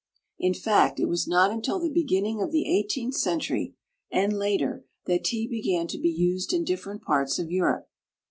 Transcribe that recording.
In fact, it was not until the beginning of the eighteenth century and later that tea began to be used in different parts of Europe.